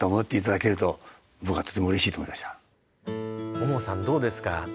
ももさんどうですか？